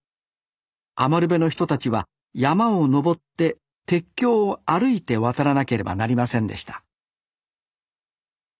余部の人たちは山を登って鉄橋を歩いて渡らなければなりませんでした